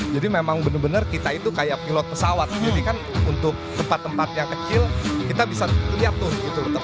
jadi memang bener bener kita itu kayak pilot pesawat jadi kan untuk tempat tempat yang kecil kita bisa lihat tuh gitu